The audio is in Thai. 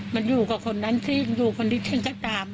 มันอยู่กับคนนั้นซีกอยู่กับคนที่ฉันก็ตาม